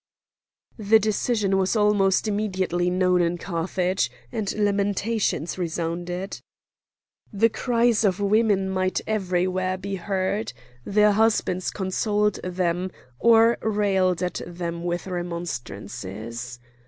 The decision was almost immediately known in Carthage, and lamentations resounded. The cries of women might everywhere be heard; their husbands consoled them, or railed at them with remonstrances.